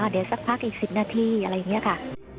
เดี๋ยวสักพักอีก๑๐นาทีอะไรอย่างนี้ค่ะ